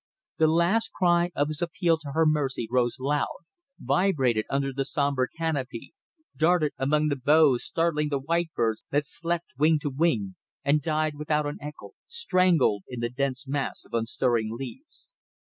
The last cry of his appeal to her mercy rose loud, vibrated under the sombre canopy, darted among the boughs startling the white birds that slept wing to wing and died without an echo, strangled in the dense mass of unstirring leaves.